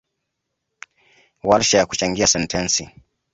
Warsha ya kuchangia sentensi